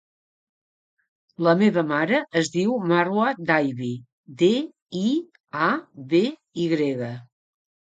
La meva mare es diu Marwa Diaby: de, i, a, be, i grega.